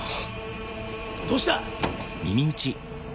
どうした？